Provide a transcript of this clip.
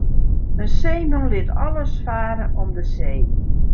In seeman lit alles farre om de see.